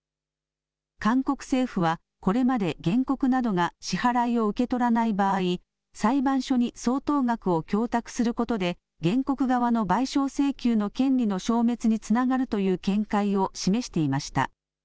韓国政府は、これまで原告などが支払いを受け取らない場合、裁判所に相当額を供託することで、原告側の賠償請求の権利の消滅につながるという見解を示していました。